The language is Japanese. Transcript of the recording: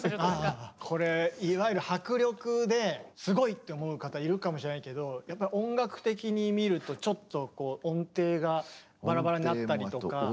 これいわゆる迫力ですごいって思う方いるかもしれないけどやっぱり音楽的に見るとちょっと音程がバラバラになったりとか。